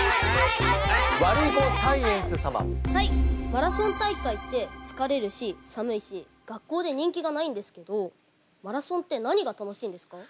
マラソン大会って疲れるし寒いし学校で人気がないんですけどマラソンって何が楽しいんですか？